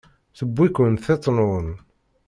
Tewwi-ken tiṭ-nwen.